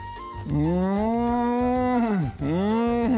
うん！